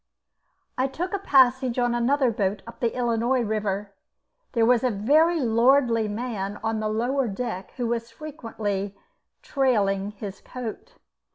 I took a passage on another boat up the Illinois river. There was a very lordly man on the lower deck who was frequently "trailing his coat."